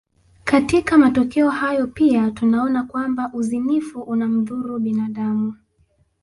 Katika matokeo hayo pia tunaona kwamba uzinifu unamdhuru binadamu